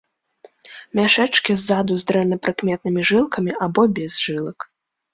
Мяшэчкі ззаду з дрэнна прыкметнымі жылкамі або без жылак.